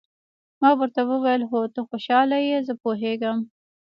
ما ورته وویل: هو، ته خوشاله یې، زه پوهېږم.